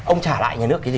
ông trả lại nhà nước cái gì